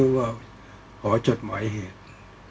ก็ต้องทำอย่างที่บอกว่าช่องคุณวิชากำลังทำอยู่นั่นนะครับ